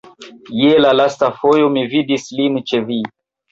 Je la lasta fojo mi vidis lin ĉe vi.